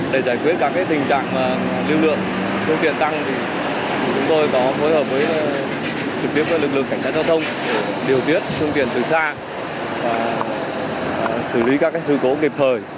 để giải quyết các tình trạng lưu lượng xung tiện tăng chúng tôi có phối hợp với lực lượng cảnh sát giao thông điều tiết xung tiện từ xa xử lý các sự cố kịp thời